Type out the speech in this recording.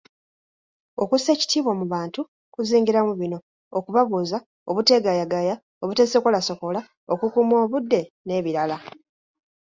Okussa ekitiibwa mu bantu kuzingiramu bino; okubabuuza, obuteegaayagaaya, obuteesokoolasokoola, okukuuma obudde n'ebirala.